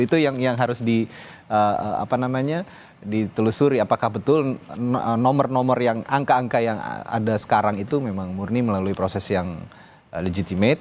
itu yang harus ditelusuri apakah betul nomor nomor yang angka angka yang ada sekarang itu memang murni melalui proses yang legitimate